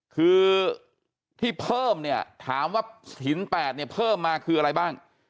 คือที่เพิ่มเนี่ยถามว่าหิน๘เนี่ยเพิ่มมาคืออะไรบ้าง